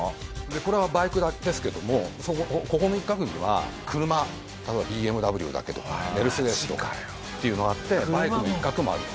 これはバイクだけですけどもここの一角には車例えばＢＭＷだけとかメルセデスとかっていうのがあってバイクの一角もある。